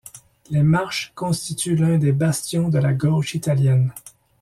Les Marches constituent l'un des bastions de la gauche italienne.